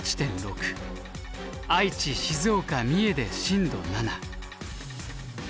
愛知静岡三重で震度７。